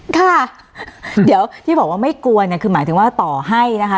ค่ะเดี๋ยวที่บอกว่าไม่กลัวเนี่ยคือหมายถึงว่าต่อให้นะคะ